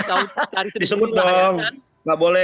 disebut dong nggak boleh